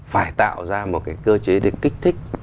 phải tạo ra một cái cơ chế để kích thích